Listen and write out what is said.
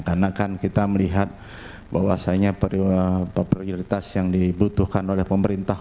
karena kan kita melihat bahwasannya prioritas yang dibutuhkan oleh pemerintah